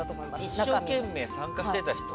一生懸命、参加してた人？